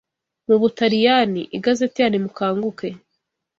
mu Butaliyani. Igazeti ya Nimukanguke